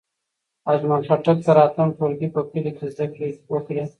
اجمل خټک تر اتم ټولګی په کلي کې زدکړې وکړې.